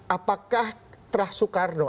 apakah terah soekarno